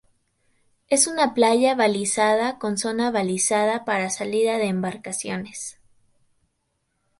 Es una playa balizada con zona balizada para salida de embarcaciones.